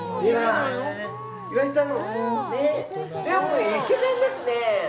レオ君イケメンですね。